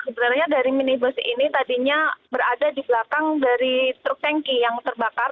sebenarnya dari minibus ini tadinya berada di belakang dari truk tanki yang terbakar